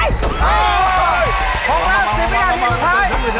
ของเรา๑๐วินาทีสุดท้าย